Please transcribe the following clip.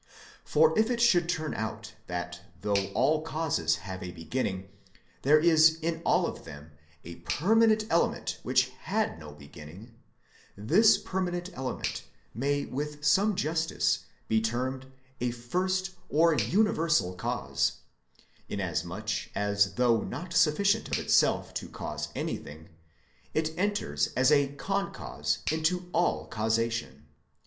For if it should turn out that though all causes have a beginning, there is in all of them a permanent element which had no beginning, this permanent element may with some justice be termed a first or universal cause, inasmuch as though not suffi cient of itself to cause anything, it enters as a con cause into all causation.